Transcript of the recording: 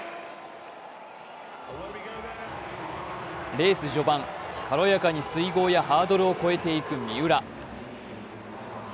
レース序盤、軽やかに水濠やハードルを越えていく三浦。